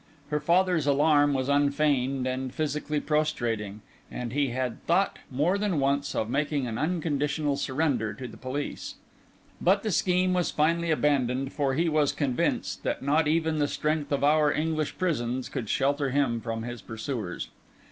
Her father's alarm was unfeigned and physically prostrating, and he had thought more than once of making an unconditional surrender to the police. But the scheme was finally abandoned, for he was convinced that not even the strength of our English prisons could shelter him from his pursuers.